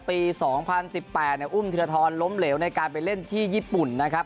ปี๒๐๑๘อุ้มธิรทรล้มเหลวในการไปเล่นที่ญี่ปุ่นนะครับ